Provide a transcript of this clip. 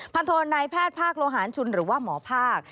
โทนายแพทย์ภาคโลหารชุนหรือว่าหมอภาค